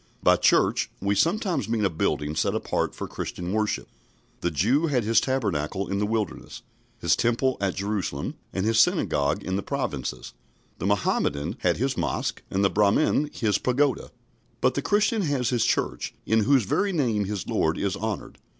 By "church," we sometimes mean a building set apart for Christian worship. The Jew had his Tabernacle in the Wilderness, his Temple at Jerusalem, and his Synagogue in the Provinces; the Mohammedan has his Mosque, and the Brahmin his Pagoda; but the Christian has his Church, in whose very name his Lord is honoured.